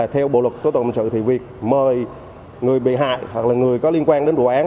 theo bộ luật tổ tổng trực thì việc mời người bị hại hoặc là người có liên quan đến đồ án